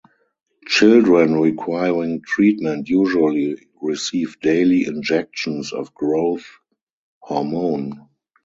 Children requiring treatment usually receive daily injections of growth hormone.